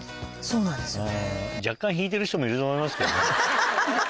そうなんですね。